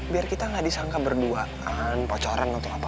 biar kita gak disangka berduaan pocoran atau apa